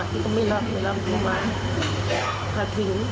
พี่ก็บอกเราเป็นสร้างอะไรอยู่อะไรอย่างเนี่ย